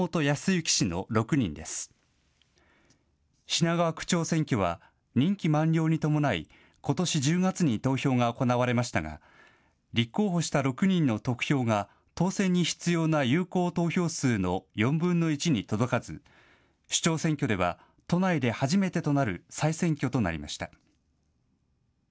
品川区長選挙は任期満了に伴いことし１０月に投票が行われましたが立候補した６人の得票が当選に必要な有効投票数の４分の１に届かず、首長選挙では都内で初めてとなる再選挙となりました。